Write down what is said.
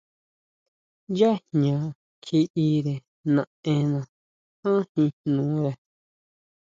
Yá jña kjiʼire naʼenna ján jin jnore.